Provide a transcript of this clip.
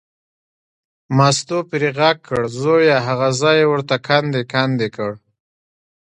مستو پرې غږ کړ، زویه هغه ځای یې ورته کندې کندې کړ.